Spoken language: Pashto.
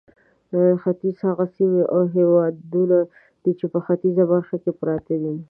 ختیځ هغه سیمې او هېوادونه دي چې په ختیځه برخه کې پراته دي.